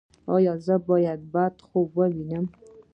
ایا زه باید بد خوب ووینم؟